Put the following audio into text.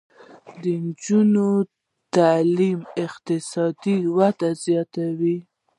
د نجونو تعلیم اقتصادي وده زیاتوي.